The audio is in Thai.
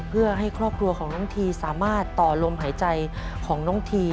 เพื่อให้ครอบครัวของน้องทีสามารถต่อลมหายใจของน้องที